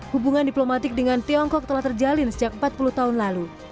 hubungan diplomatik dengan tiongkok telah terjalin sejak empat puluh tahun lalu